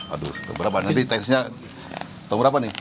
aduh berapa nanti teknisnya tahun berapa nih